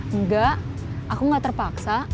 enggak aku gak terpaksa